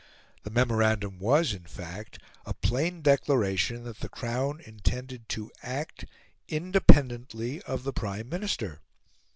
The memorandum was, in fact, a plain declaration that the Crown intended to act independently of the Prime Minister.